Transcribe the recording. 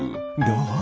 どう？